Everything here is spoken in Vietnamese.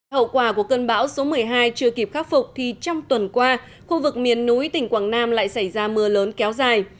hậu quả của cơn bão số một mươi hai chưa kịp khắc phục thì trong tuần qua khu vực miền núi tỉnh quảng nam lại xảy ra mưa lớn kéo dài